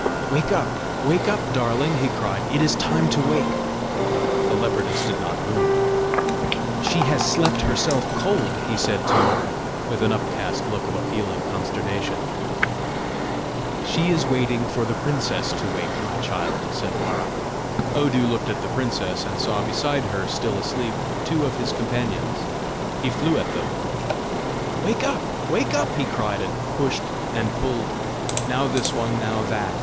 "Wake up, wake up, darling!" he cried; "it is time to wake!" The leopardess did not move. "She has slept herself cold!" he said to Mara, with an upcast look of appealing consternation. "She is waiting for the princess to wake, my child," said Mara. Odu looked at the princess, and saw beside her, still asleep, two of his companions. He flew at them. "Wake up! wake up!" he cried, and pushed and pulled, now this one, now that.